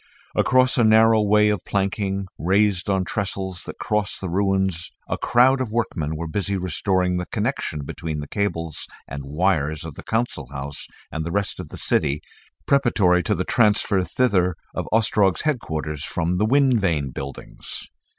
Across a narrow way of planking raised on trestles that crossed the ruins a crowd of workmen were busy restoring the connection between the cables and wires of the Council House and the rest of the city, preparatory to the transfer thither of Ostrog's headquarters from the Wind Vane buildings.